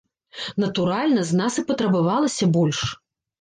Натуральна, з нас і патрабавалася больш.